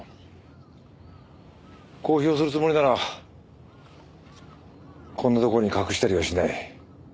公表するつもりならこんなところに隠したりはしない。